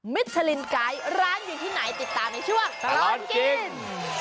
ชลินไกด์ร้านอยู่ที่ไหนติดตามในช่วงตลอดกิน